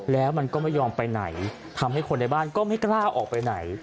แล้วมันก็ไม่ยอมไปไหนทำให้คนในบ้านก็ไม่กล้าออกไปไหน